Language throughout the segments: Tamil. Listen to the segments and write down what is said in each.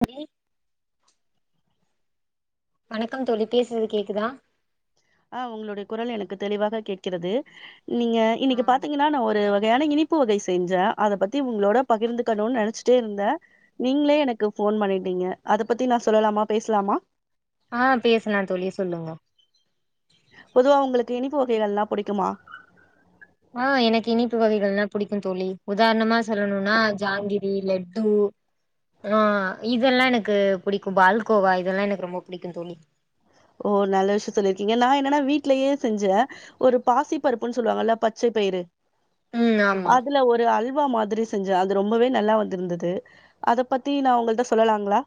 சரி வணக்கம் தோழி பேசுனது கேக்குதா அ உங்களுடைய குரல் எனக்கு தெளிவாக கேட்கிறது நீங்க ஆ இன்னிக்கு பாத்தீங்கன்னா நா ஒரு வகையான இனிப்பு வகை செஞ்ச அத பத்தி உங்களோட பகிர்ந்துக்கணும்னு நெனச்சுட்டே இருந்த நீங்களே எனக்கு ஃபோன் பண்ணிட்டீங்க அத பத்தி நா சொல்லலாமா பேசலாமா ஆ பேசலா தோலி சொல்லுங்க பொதுவா உங்குளுக்கு இனிப்பு வகைகள்லா புடிக்குமா ஆ எனக்கு இனிப்பு வகைகள்லா புடிக்கும் தோலி உதாரணமா சொல்லணும்னா ஜாங்கிரி லெட்டு ஆ இதெல்லா எனக்கு புடிக்கும் பால்கோவா இதெல்லா எனக்கு ரொம்ப பிடிக்கோ தோலி ஓ நல்ல விஷயோ சொல்லியிருக்கீங்க நா என்னன்னா வீட்லயே செஞ்சே ஒரு பாசி பருப்புனு சொல்லுவாங்கல்ல பச்சை பயறு ம் ஆமா அதுல ஒரு அல் அல்வா மாதிரி செஞ்சே அது ரொம்பவே நல்லா வந்திருந்தது அத பத்தி நான் உங்கள்ட்ட சொல்லலாங்களா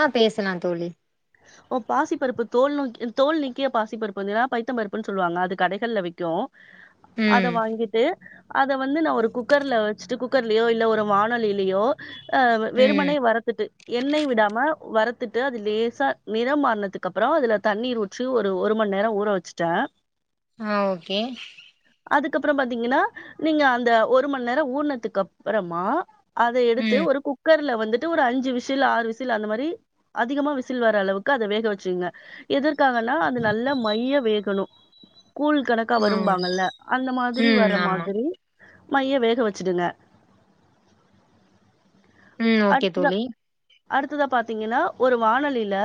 ஆ பேசலா தோலி ஓ பாசி பருப்பு தோல் நி தோல் நிக்கிய பாசி பருப்பு வன்னா பைத்தம் பருப்புன்னு சொல்லுவாங்க அது கடைகள்ல விக்கோ அத ம் வாங்கிட்டு அத வந்து நா ஒரு குக்கர்ல வெச்சுட்டு குக்கர்லயோ இல்ல ஒரு வானொலியிலயோ அ ம் வெறுமனே வருத்துட்டு எண்ணெய் விடாம வரத்துட்டு அதுல லே ச நிறம் மாறனதுக்கப்புறோ அதுல தண்ணீர் ஊற்றி ஒரு ஒரு மணி நேரோ ஊற வெச்சுட்ட ஆ ஓகே அதுக்கப்புறோ பாத்தீங்கன்னா நீங்க அந்த ஒரு மணி நேரோ ஊர்னதுக்கு அப்புறமா அதை எடுத்து ம் ஒரு குக்கர் குக்கர்ல வந்துட்டு ஒரு அஞ்சு விசில் ஆறு விசில் அந்த மாதிரி அதிகமா விச விசில் வர அளவுக்கு அத வேக வெச்சுகுங்க எதற்க் இருக்காங்கன்னா அது நல்ல மைய வேகணோ கூல் கணக்கா ம் வரும்பாங்கல்ல அந்த மாதிரி ம் வர்ற ஆமா மாதிரி மைய வேக வெச்சுடுங்க ம் ஓகே தோலி அடுத்ததா பாத்தீங்கன்னா ஒரு வானலி ல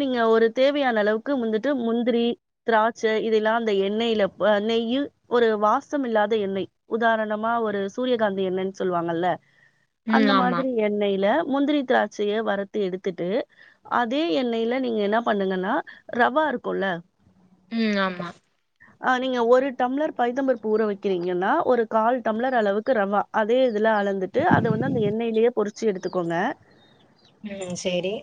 நீங்க ஒரு தேவையான அளவுக்கு முந்தட்டு முந்திரி திராட்ச இதெல்லா அந்த எண்ணெயில நெய்யு ஒரு வாசம் இல்லாத எண்ணெய் உதாரணமா ஒரு சூரியகாந்தி எண்ணேன்னு சொல்லுவாங்கல்ல ம் அந்த ஆமா மாதிரி எண்ணைல முந்திரி திராட்சய வரத்து எடுத்துட்டு அதே எண்ணெய்ல நீங்க என்ன பண்ணுங்கன்னா ரவா இருக்கோல ம் ஆமா ஆ நீங்க ஒரு டம்ளர் பைத்தம் பருப்பு ஊற வைக்கிறீங்கன்னா ஒரு கால் டம்ளர் அளவுக்கு ரவா அதே அளந்துட்டு அதது வந்துந்த எண்ணெயிலயே பொறிச்சி எடுத் பாத்துக்கோங்க ம் செரி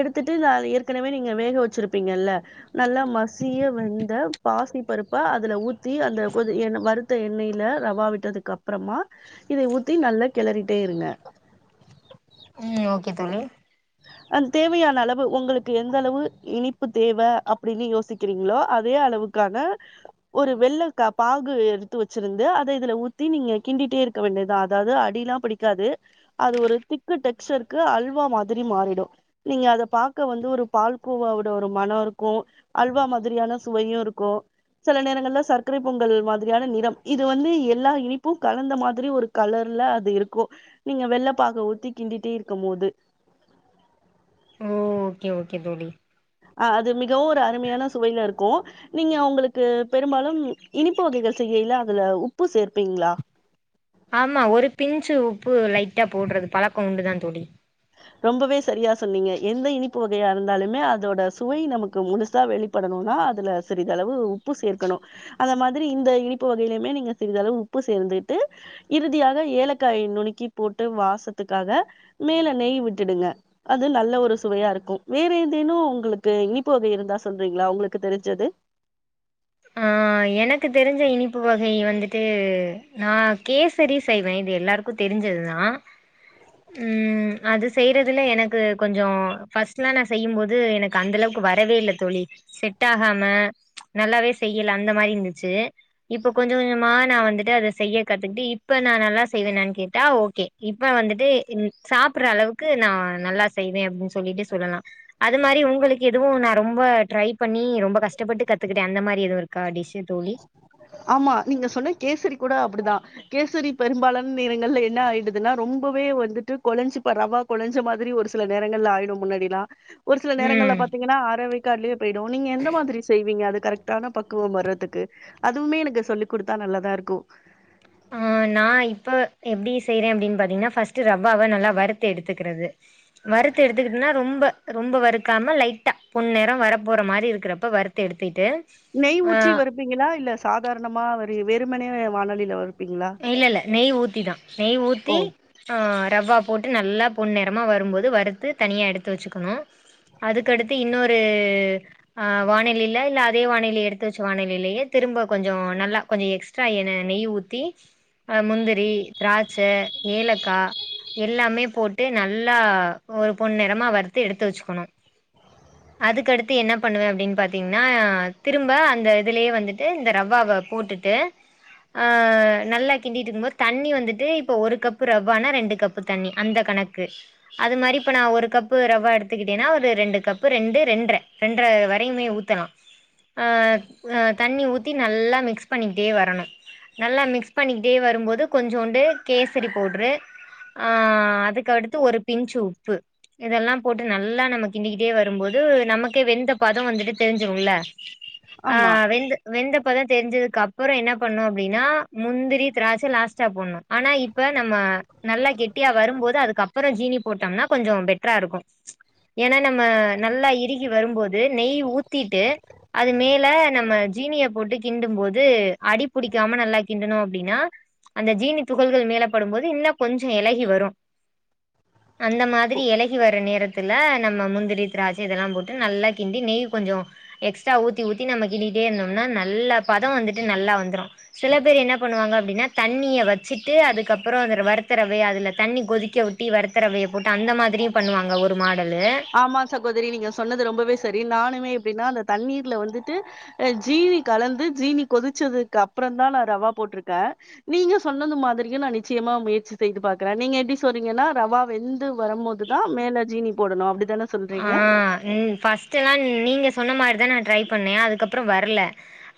எடுத்துட்டு நா ஏற்கனவே நீங்க வேக வெச்சிருப்பீங்கல்ல நல்லா மசிய வெந்த பாசி பருப்ப அதுல ஊத்தி அந்த கொ வருத்த எண்ணெயில ரவா விட்டதுக்கு அப்புறமா இத ஊத்தி நல்லா கெளறிட்டே இருங்க உம் ஓகே தோழி அ தேவையான அளவு உங்களுக்கு எந்த அளவு இனிப்பு தேவ அப்டின்னு யோசிக்கிறீங்களோ அதே அளவுக்கான ஒரு க வெள்ள பாகு எடுத்து வச்சிருந்து அத இதுல ஊத்தி நீங்க கிண்டிட்டே இருக்க வேண்டியதா அதாவது அடியெல்லா பிடிக்காது அது ஒரு திக்கு டெக்ஸர்கக்கு அல்வா மாதிரி மாறி டு நீங்க அத பாக்க வந்து ஒரு பால்கோவாவோட ஒரு மணோ இருக்கு அல்வா மாதிரியான சுவையு இருக்கு சில நேரங்கள்ல சர்க்கரை பொங்கல் மாதிரியான நிறம் இது வந்து எல்லா இனிப்பும் கலந்த மாரி ஒரு கலர்ல அது இருக்கு நீங்க வெள்ளை பாக ஊத்தி கிண்டிட்டே இருக்கும் போது ஓ ஓகே ஓகே தோழி அஹ் அது மிகவு ஒரு அருமையான சுவையில இருக்கு நீங்க அவங்களுக்கு பெரும்பாலும் இனிப்பு வகைகள் செய்யல அதுல உப்பு சேர்க ஆமா ஒரு பிஞ்சு உப்பு லைட்டா போடறது பழக்கோ உண்டுதா தோழி ரொம்பவே சரியா சொன்னீங்க எந்த இனிப்பு வகையா இருந்தாலுமே அதோட சுவை நமக்கு முழுசா வெளிப்படணும்னா அதுல சிறிதளவு உப்பு சேர்க்கணு அந்த மாரி இந்த இனிப்பு வகையிலயுமே நீங்க சிறிதளவு உப்பு சேர்ந்துட்டு இறுதியாக ஏலக்காய நுணக்கி போட்டு வாசத்துக்காக மேல நெய் விட்டுடுங்க அது நல்ல ஒரு சுவையா இருக்கு வேற ஏதேனு உங்களுக்கு இனிப்பு வகை இருந்தா சொல்றீங்களா உங்களுக்கு தெரிஞ்சது ஆஹ் எனக்கு தெரிஞ்ச இனிப்பு வகை வந்துட்டு நா கேசரி செய்வே இது எல்லாருக்கு தெரிஞ்சதுதா உஹம் அது செய்யறதுல எனக்கு கொஞ்சோ ஃபர்ஸ்ட்லா நா செய்யும்போது எனக்கு அந்த அளவுக்கு வரவே இல்ல தோழி செட் ஆகாம நல்லாவே செய் அந்த மாரி இருந்துச்சு இப்ப கொஞ்ச கொஞ்சமா நா வந்துட்டு அத செய்ய கத்துக்கிட்டு இப்ப நா நல்லா செய்வேனனு கேட்டா ஓகே இப்ப வந்துட்டு சாப்படுற அளவுக்கு நா நல்லா செய்வே அப்டின்னு சொல்லிட்டு சொல்லலா அது மாரி உங்களுக்கு எதுவு நா ரொம்ப ட்ரை பண்ணி ரொம்ப கஷ்டப்பட்டு கத்துக்கிட்டே அந்த மாரி இது ஒரு கா டிஸு ஆமா நீங்க சொன்ன கேசரி கூட அப்படிதா கேசரி பெரும்பாலான நேரங்கள்ல என்ன ஆயிடுதுன்னா ரொம்பவே வந்துட்டு கொலைஞ்சிப்ப ரவா கொலைஞ்ச மாதிரி ஒரு சில நேரங்கள்ல ஆயிடு முன்னாடிலா ஒரு சில நேரங்களல ம் பாத்தீங்கன்னா அரைவேக்காடுலேயே போயிடும் நீங்க எந்த மாதிரி செய்வீங்க அதுக் கரெக்டான பக்குவம் வர்றதுக்கு அதுவுமே எனக்கு சொல்லி் குடுத்தா நல்லாதா இருக்கு ஆஹ் நா இப்ப எப்டி செய்யறே அப்டின்னு பாத்தீங்கன்னா ஃபஸ்ட்ட் ரவ்வாவ்வ நல்லா வறுத்து எடுத்துக்கிறது வறுத்து எடுத்துக்கட்டுனா ரொம்ப ரொம்ப வறுக்காம லைட்டா பொண் நெரம் வரப் போற மாதிரி இருக்கிறப்ப வறுத்து எடுத்துட் நெய் ஊற்றி வறுப்பீங்களா இல்ல சாதாரணமா வ வேறுமனே வாணாலயில வறுப் இல்ல இல்ல நெய் ஊத்திதா நெய் ஓ! ஊத்தி ஆஹ் ரவ்வா போட்டு நல்லா பொண்நிறமா வரும்போது வறுத்து தனியாக எடுத்து வச்சுக்கணு அதுக்கடுத்து இன்னொரு ஆஹ் வாணலிய இல்ல அதே வாணெலியை எடுத்து வச்ச வாணலியிலயே திரும்ப கொஞ் நல்லா கொஞ்சோ எக்ஸ்ட்ரா என் நெய் ஊத்தி அஹ் முந்திரி திராட்சை ஏலக்காய் எல்லாமே போட்டு நல்லா ஒரு பொண் நிறமா வறுத்து எடுத்து வச்சுக்கணு அதுக்கடுத்து என்ன பண்ணுவேன் அப்டின்னு பாத்தீங்கன்னா திரும்ப அந்த இதுலேயே வந்துட்டு இந்த ரவ்வாவை போட்டுட்டு அஹ் நல்லா கிண்டிட்டு இருக்கும் போது தண்ணி வந்துட்டு இப்போ ஒரு கப்பு ரவ்வானால் ரெண்டு கப்பு தண்ணி அந்த கணக்கு அது மாரி இப்போ நா ஒரு கப்பு ரவ்வா எடுத்துக்கிட்டேன்னா ஒரு ரெண்டு கப்பு ரெண்டு ரெண்டரை ரெண்டரை வரையுமே ஊத்தலா ஆஹ் அ தண்ணி ஊத்தி நல்லா மிக்ஸ் பண்ணிக்கிட்டே வரணு நல்லா மிக்ஸ் பண்ணிக்கிட்டே வரும்போது கொஞ்சோண்டு கேசரி பவுட்ரு ஆஹ் அதுக்க அடுத்து ஒரு பிஞ்சு உப்பு இதெல்லா போட்டு நல்லா நம கிண்டிக்கிட்டே வரும்போது நமக்கே வெந்த பதம் வந்துட்டு தெரிஞ்சிடல ஆமா. ஆஹ் வெந்து வெந்த இப்பதா தெரிஞ்சதுக்குப்புறோ என்ன பண்ணு அப்டின்னா முந்திரி திராட்சை லாஸ்ட்டா போடணு ஆனா இப்ப நம்ம நல்லா கெட்டியா வரும்போது அதுக்குப்புறம் ஜீனி போட்டோம்னா கொஞ்சம் பெட்ரா இருக்கு ஏன்னா நம்ம நல்லா இறுகி வரும்போது நெய் ஊத்திட்டு அது மேல நம்ம ஜீனிய போட்டு கிண்டும் போது அடிபிடிக்காம நல்லா கிண்டனும்னா அப்டின்னா அந்த ஜீனி துகள்கள் மேலப்படும்பது இன்னும் கொஞ்சோ எலகி வரும் அந்த மாதிரி எலகி வர நேரத்துல நம்ம முந்திரி திராசை இதெல்லா போட்டு நல்லா கிண்டி நெய் கொஞ்சோ எக்ஸ்ட்ரா ஊத்தி ஊத்தி நம்ம கிண்டிட்டே இருந்தோம்னா நல்ல பதம் வந்துட்டு நல்லா வந்துரு சில சில என்ன பண்ணுவாங்க அப்டின்னா தண்ணியை வச்சுட்டு அதுக்கப்புறம் அதுல வறுத்தரவை அதுல தண்ணி கொதிக்க விட்டி வறுத்த ரவைய போட்டு அந்த மாரியு பண்ணுவாங்க ஒரு மா ஆமா சகோதரி நீங்க சொன்னது ரொம்பவே சரி நானுமே எப்டின அந்த தண்ணீர்ல வந்துடு அ ஜீனீ கலந்து ஜீனி கொதிச்சதுக்கு அப்புறம் தா நா ரவா போட்டிருக்கே நீங்க சொன்னது மாதிரிய நான் நிச்சயமா முயற்சி செய்து பாக்றே நீங்க எப்டி சொல்றீங்கன்னா ரவா வெந் து வரும்போதுதா மேல ஜீனி போடணு அப்டித்தான சொல்றீங்க ஆஹ் ம் பஸ்ட்டூ எல்லா நீங்க சொன்ன மாரி தா நா ட்ரை பண்ணே அதுக்கப்புற வரலை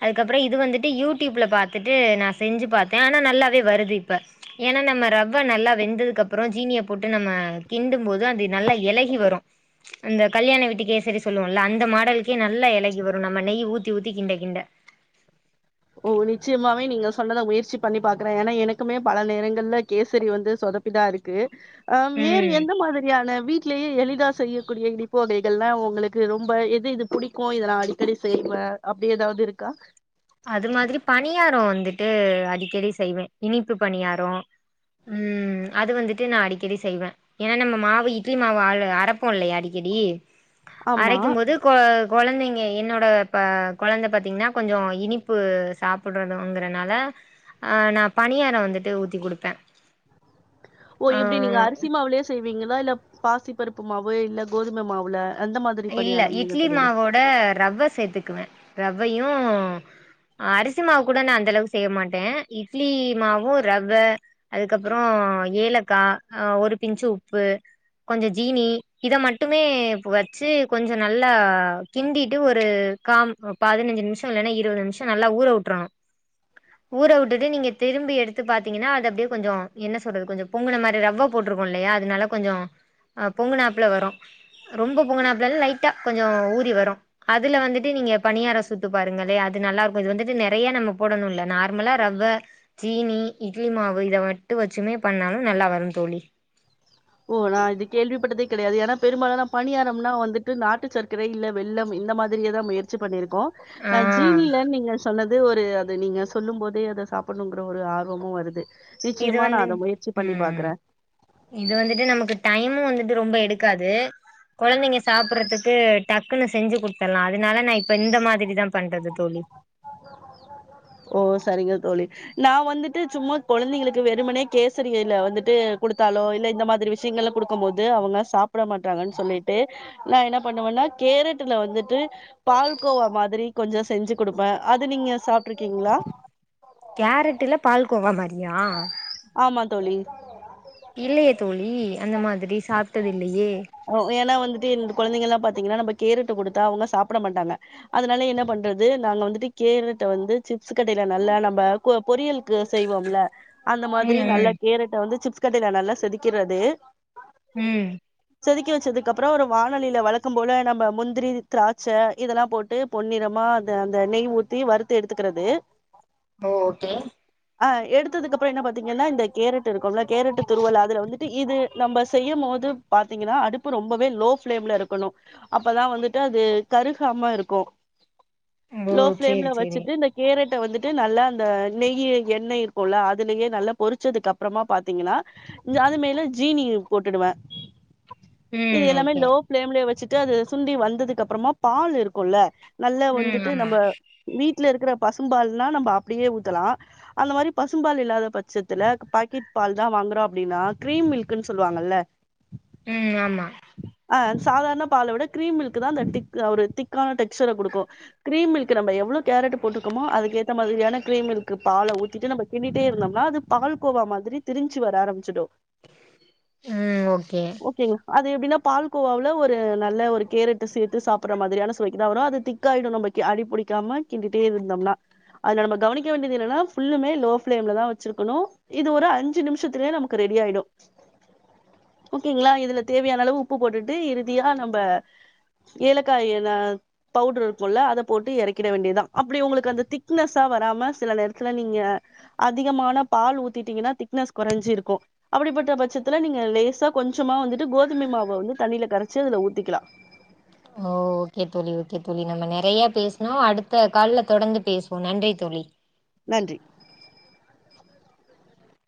அதுக்கப்புற இது வந்துட்டு யூடியூப்பில் பாத்துட்டு நான் செஞ்சு பாத்தே ஆனா நல்லாவே வருது இப்போ ஏன்னா நம்ம ரவ்வை நல்லா வெந்ததுக்கப்புறம் ஜீனியை போட்டு நம்ம கிண்டும் போதும அது நல்லா எலகி வரு அந்த கல்யாண வீட்டுக் கேசரி சொல்லுவோம்ல அந்த மாடலுக்கே நல்லா எலகி வரு நம்ம நெய் ஊத்தி ஊத்தி கிண்ட கிண்ட ஓ நிச்சயமாவே நீங்க சொன்னதை முயற்சி பண்ணி பாக்குறே ஏன்னா எனக்குமே பல நேரங்கள்ல கேசரி வந்து சொதப்பிதான் இருக்கு ஆஹ் வேறு ம் எந்த மாதிரியான வீட்லேயே எளிதா செய்யக்கூடிய இனிப்பு வகைகள்லா உங்களுக்கு ரொம்ப எது இது புடிக்கு இதெல்லா அடிக்கடி செய்வே அப்டி ஏதாவது இருக்கா அது மாதிரி பணியாரோ வந்துட்டு அடிக்கடி செய்வே இனிப்பு பணியாரோ ம் அது வந்துட்டு நா அடிக்கடி செய்வே என்னா நம்ம மாவ இட்லி மாவு அல்லு அரைப்போ இல்லையா அடிக்கடி ஆமா அரைக்கும் போது கோ கொழந்தைங்க என்னோட ப கொழந்த பாத்தீங்கன்னா கொஞ்சோ இனிப்பு சாப்பிடுறதுங்கறனால ஆ நா பணியாரோ வந்துட்டு ஊத்தி குடுப்பே ஓ ஆ இப்டி நீங்க அரிசிமாவுலே செய் நீங்களா இல்ல பாசி பருப்பு மாவு இல்ல கோதுமை மாவுல அந்த மாதிரி இல்ல பணியாரம் நீங்க இட்லி சொல்லுங்க. மாவோட ரவ்வ சேத்துக்குவே ரவயு அரிசி மாவு கூட நா அந்த அளவுக்கு செய்ய மாட்டே இட்லி மாவும் ரவ்வ அதுக்கப்பறோ ஏலக்காய் ஒரு பின்ச் உப்பு கொஞ்சோ ஜீனி இத மட்டுமே வச் ச்சி கொஞ்சோ நல்லா கிண்டிட்டு ஒரு காம் பதினஞ்சு நிமிஷோ இல்லன்னா இருவது நிமிஷோ நல்லா ஊற விட்டுறணு ஊற விட்டுட்டு நீங்க திரும்பி எடுத்து பாத்தீங்கன்னா அது அப்டியே கொஞ்சோ என்ன சொல்றது கொஞ்சோ பொங்கு மாதிரி ரவ்வ போட்டிருக்கோம்ல்ல அதனால கொஞ்சம் பொங்கு நாப்புல வரு ரொம்போப் போங்கனா அப்பல்லா லைட்டா கொஞ்சோ ஊரி வரு அதுல வந்துட்டு நீங்க பணியாரோ சுட்டு பாருங்கல்லே அது நல்லாருக்கு இது வந்துட்டு நெறைய நம்ம போடணு இல்ல நார்மலா ரவ்வா சீனி இட்லி மாவு இத மட்டு வச்சுமே பண்ணாலு நல்லா வரு தோழி ஓனா இது கேள்வி பட்டதுக் கெடையாது எனா பெரும்பாலான பணியாரம்னா வந்துட்டு நாட்டு சர்க்கரை இல்ல வெள்ளம் இந்த மாதிரியே தா முயற்சி பண்ணிருக் கோ ஆ நா ஜீனில நீங்க சொன்னது அது ஒரு அது நீங்க சொல்லும் போதே அத சாப்பிடணுங்கற ஒரு ஆர்வமு வருது இது நிச்சயமா வந்து நான் அத முயற்சி பண்ணி பாக்குறேன். உம் இது வந்துட்டு நமக்கு டைமு வந்துட்டு ரொம்ப எடுக்காது கொழந்தைங்க சாப்புறதுக்கு டக்குன்னு செஞ்சு குடுத்தலா அதனால நா இப்ப இந்த மாதிரி தா பண்றது தோழி ஓ சரிங்க தோழி நா வந்துட்டு சும்மா குழந்தைங்களுக்கு வெறுமனே கேசரியில வந்துட்டு குடுத்தாலோ இல்ல இந்த மாதிரி விஷயங்கள் எல்லா கொடுக்கும் போது அவங்க சாப்பிட மாட்டாங்கன்னு சொல்லிட்டு நா என்ன பண்ணுவேன்னா கேரட்ல வந்துட்டு பால்கோவா மாதிரி கொஞ்சோ செஞ்சு குடுப்பே அது நீங்க சாப்ட்ருக்கீங்களா கேரட்டுல பால் கோவா மாரி யா ஆமா தோழி இல்லையே தோழி அந்த மாதிரி சாப்பிட்டது இல்லையே ம் ஏன்னா வந்துட்டு இருந்துட் குழந்தைங்க எல்லாம் பாத்தீங்கன்னா நம்ம கேரட்டு குடுத்தா அவங்க சாப்பிட மாட்டாங்க அதனால என்ன பண்றது நாங்க வந்துட்டு கேரட்ட வந்து சிப்ஸ் கட்டையில நல்லா நம்ம கோ பொரியலுக்கு செய்வோம்ல அந்த மாதிரி ம் நல்ல ம் கேரட்ட வந்து சிப்ஸ் கட்டையில நல்லா செதுக்கிறது ம் செதுக்கி வச்சதுக்கு அப்றோ ஒரு வானலியில வழக்கம் போல நம்ப முந்திரி திராட்ச இதெல்லா போட்டு பொன்னிறமா அ அந்த நெய் ஊத்தி வருறுத்து எடுத்துக்கிறது ஓ ஓகே ஆ எடுத்ததுக்கப்பறோ என்ன பாத்தீங்கன்னா இந்த கேரட்டு இருக்கும்ல கேரட் துருவல் அதுல வந்துட்டு இது நம்ப செய்யு போது பாத் த்தீங்கன்னா அடுப்பு ரொம்பவே லோ ஃபிளேம்ல இருக்கணு அப்பதா வந்துட்டு அது கருகாம இருக்கு ஓ லோ ஃபிளேம்ல சேரி சேரி வச்சுட்டு இந்த கேரட் ட்ட வந்துட்டு நல்லா அந்த நெய் எண்ணெய் இருக்குல்ல அதுலயே நல்லா பொறிச்சதுக்கு அப்புறமா பாத்தீங்கன்னா ஜாது மேல ஜீனி போட்டுடுவே இது ம் எல்லாமே ஓகே லோ ஃபிளேம்லயே வச்சிட் ட்டு அது சுண்டி வந்ததுக்கு அப்புறமா பால் இருக்கும்ல்ல நல்லா ம் வந்துட்டு ஆமா நம்ம வீட்ல இருக்கிறப் பசும் பால்னா நம்ம அப்டியே ஊத்தலா அந்த மாரி பசும்பால் இல்லாத பட்சத்துல க், பாக்கெட் பால் தா வாங்குறோ அப்டின்னா கிரீம் மில்கன்னு சொல்லுவாங்கல்ல ம் ஆமா அ சாதாரண பால விட கிரீம்மில்க்தா அந்த டிக் ஒரு திக்கான டெக்ஸ்சர குடுக்கு க்ரீம்மில்க்கு நம்ம எவ்வளோ கேரட் போட்டுக்கோமோ அதுக்கேத்த மாரியான க்ரீம்மில்க் பால ஊத்திட்டு நம்ம கிண்டிகிட்டே இருந்தோம்னா அது பால்கோவா மாதிரி திரிஞ்சு வர ஆரம்பிச்சுடு ம் ஓகே ஓகேங்க அது எப்படின்னாப் பால்கோவாவவுல ஒரு நல்ல ஒரு கேரட்ட சேத்து சாப்புற மாதிரியான சுவைக்குதா வரு அது திக்காயிடு நமக் அடிபிடிக்காம கிண்டிட்டே இருந்தோம்னா அதுல நம்ம கவனிக்க வேண்டியது என்னன்னா ஃபுல்லுமே லோ பிளேம்லதா வச்சிருக்கணு இது ஒரு அஞ்சு நிமிஷத்துலயே நமக்கு ரெடி ஆயிடு ஓகேங்களா இதுல தேவையான அளவு உப்பு போட்டுட்டு இறுதியா நம்ம ஏலக்காய்ன பவ்டுரு இருக்குல்ல அத போட்டு எறக்கிட வேண்டியதான் அப்படி உங்களுக்கு அந்த திக்னஸ்ஸா வராம சில நேரத்துல நீங்க அதிகமான பால் ஊத்திட்டீங்கன்னா திக்னஸ் கொறஞ்சிருக்கு அப்படிப்பட்ட பட்சத்துல நீங்க லேசா கொஞ்சமா வந்துட்டு கோதுமை மாவ வந்து தண்ணியில கரைச்சு அதுல ஊத்திக்கலா ஓ ஓகே தோழி ஓகே தோழி நம்ம நெறையா பேசுனோ அடுத்த கால்ல தொடர்ந்து பேசுவோம் நன்றி தோழி நன்றி